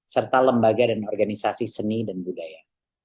serta lembaga dan organisasi seni dan budaya